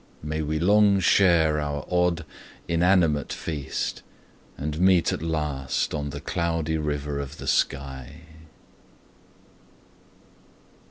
May we long share our odd, inanimate feast, And meet at last on the Cloudy River of the sky.